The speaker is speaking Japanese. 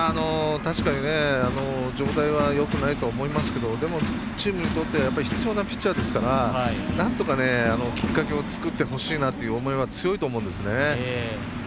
確かに状態はよくないと思いますけどでも、チームにとって必要なピッチャーですからなんとか、きっかけを作ってほしいなという思いは強いと思うんですね。